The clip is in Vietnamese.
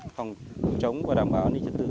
phòng chống và đảm bảo an ninh trật tự